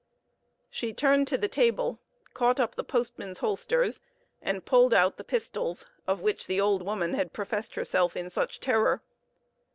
She turned to the table, caught up the postman's holsters, and pulled out the pistols of which the old woman had professed herself in such terror.